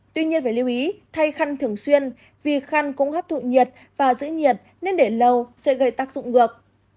tuy nhiên phải lưu ý thay khăn thường xuyên vì khăn cũng hấp thụ nhiệt và giữ nhiệt nên để lâu sẽ gây tác dụng ngược